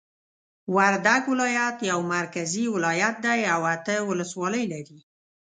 وردګ ولایت یو مرکزی ولایت دی او اته ولسوالۍ لری